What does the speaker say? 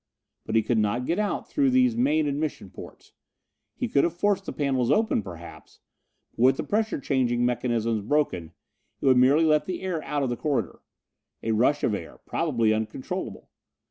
But he could not get out through these main admission portes. He could have forced the panels open perhaps; but with the pressure changing mechanisms broken, it would merely let the air out of the corridor. A rush of air, probably uncontrollable.